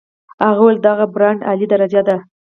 هغه وویل دغه برانډې اعلی درجه ده.